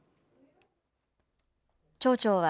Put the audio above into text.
町長は、